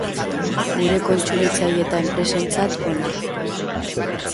Gure kontsumitzaile eta enpresentzat ona.